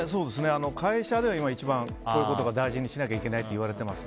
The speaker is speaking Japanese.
会社では今、一番こういうことを大事にしなきゃいけないと言われています。